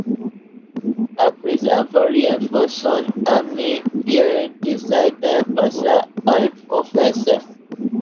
Après avoir renforcé son armée, il décide de passer à l'offensive.